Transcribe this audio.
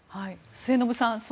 末延さん